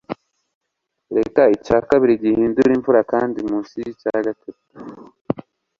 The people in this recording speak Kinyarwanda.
reka icya kabiri gihindure imvura kandi munsi ya gatatu